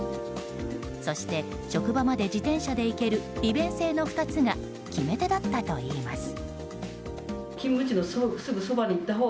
そして、職場まで自転車で行ける利便性の２つが決め手だったといいます。